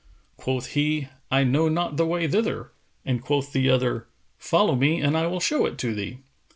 Quoth he, "I know not the way thither": and quoth the other, "Follow me and I will show it to thee."